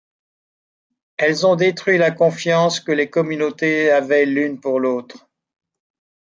Elles ont détruit la confiance que les communautés avaient l'une pour l'autre.